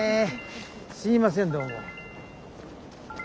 すいませんどうも。